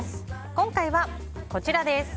今回はこちらです！